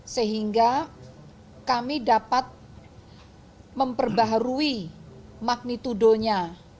sehingga kami dapat memperbaharui magnitudonya